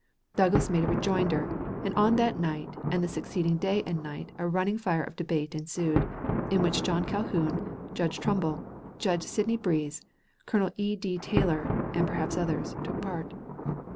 Douglas made a rejoinder, and on that night and the succeeding day and night a running fire of debate ensued, in which John Calhoun, Judge Trumbull, Judge Sidney Breese, Colonel E. D. Taylor, and perhaps others, took part.